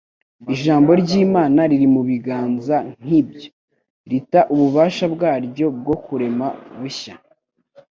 Ijambo ry'Imana riri mu biganza nk'ibyo, rita ububasha bwaryo bwo kurema bushya.